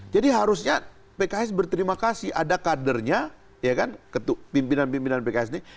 jadi harusnya pks berterima kasih ada kadernya ya kan pimpinan pimpinan pks ini